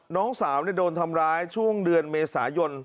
น้องสาวโดนทำร้ายช่วงเดือนเมษายน